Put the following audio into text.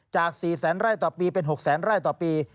จาก๔๐๐๐๐๐ไร่ต่อปีเป็น๖๐๐๐๐๐ไร่ต่อปี